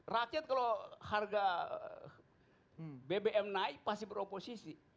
rakyat kalau harga bbm naik pasti beroposisi